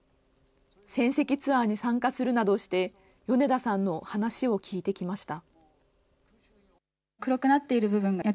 戦跡ツアーに参加するなどして米田さんの話を聞いてきました。